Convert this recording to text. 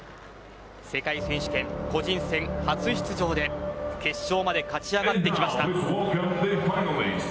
世界選手権個人戦、初出場で決勝まで勝ち上がってきました。